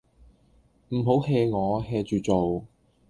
唔好 hea 我 ，hea 住做